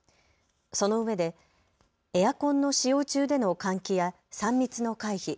そのうえでエアコンの使用中での換気や３密の回避